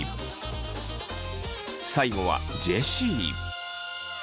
最後はジェシー。